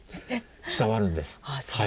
伝わるんです。